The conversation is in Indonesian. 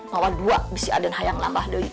bawa dua bisa aden hayang namah deh